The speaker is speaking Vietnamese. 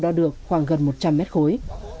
đo được khoảng gần một trăm linh m khối